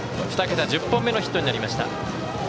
２桁１０本目のヒットになりました。